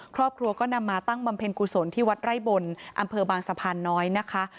ครอบครัวก็นำมาตั้งบำเพ็ญกุศลที่วัดไร่บนอำเภอบางสะพานน้อยนะคะ